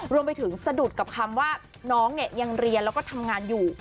รวมไปถึงสะดุดกับคำว่าน้องเนี่ยยังเรียนแล้วก็ทำงานอยู่